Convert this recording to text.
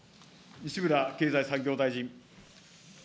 西村経済産業大臣。